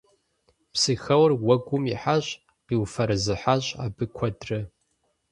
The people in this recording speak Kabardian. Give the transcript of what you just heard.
Псыхэуэр уэгум ихьащ. Къиуфэрэзыхьащ абы куэдрэ.